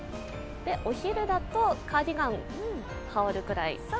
お昼だとカーディガンを羽織るぐらい。